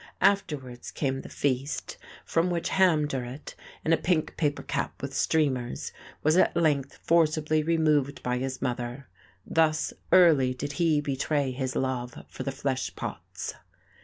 Afterwards came the feast, from which Ham Durrett, in a pink paper cap with streamers, was at length forcibly removed by his mother. Thus early did he betray his love for the flesh pots....